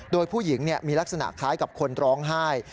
โดยผู้หญิงมีลักษณะคล้ายกับคนร้องไห้